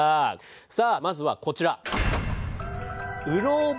さあまずはこちら。